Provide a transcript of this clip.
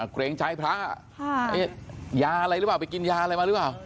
เกรงใจพระยาอะไรหรือเปล่าไปกินยาอะไรมาหรือเปล่า